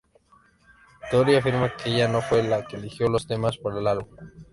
Tori afirma que ella no fue la que eligió los temas para el álbum.